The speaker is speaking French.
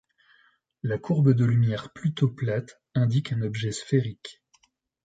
La courbe de lumière plutôt plate indique un objet sphérique.